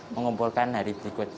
mengumpulkan hari berikutnya